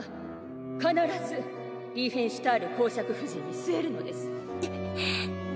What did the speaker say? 必ずリーフェンシュタール侯爵夫人に据えるのですくっ！